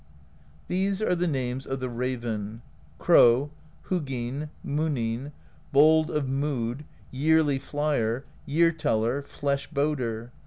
These are names of the raven: Crow, Huginn,^ Muninn,^ Bold of Mood, Yearly Flier, Year Teller, Flesh Boder.